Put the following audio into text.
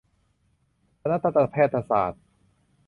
คณะทันตแพทย์ศาสตร์